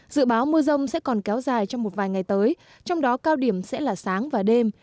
dự báo mưa rông sẽ còn kéo dài trong một vài ngày tới trong đó cao điểm sẽ là sáng và đêm